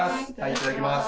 いただきます。